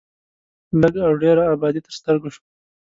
لږ او ډېره ابادي تر سترګو شوه.